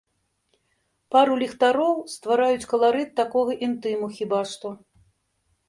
Пару ліхтароў ствараюць каларыт такога інтыму, хіба што.